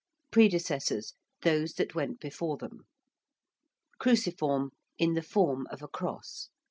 ~Predecessors~: those that went before them. ~cruciform~: in the form of a cross.